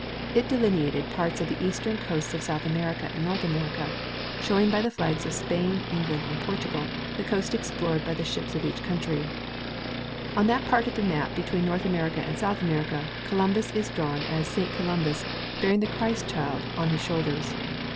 It delineated parts of the eastern coasts of South America and North America, showing by the flags of Spain, England and Portugal the coast explored by the ships of each countr}^ On that i^art of the map between North America and South America, Columbus is drawn as Saint Christopher bearing the Christ child on his shoulders.